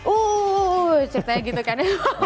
uh ceritanya gitu kan